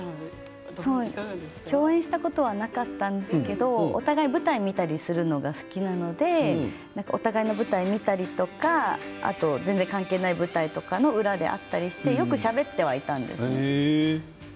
共演したことはなかったんですけどお互い舞台を見たりするのが好きなのでお互いの舞台を見たりとか全然、関係ない舞台の裏で会ったりしてよくしゃべってはいたんです。